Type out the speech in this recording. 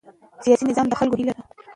سیاسي نظام د خلکو هیله ده